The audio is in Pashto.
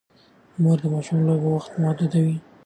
مور د ماشوم د لوبو وخت محدودوي.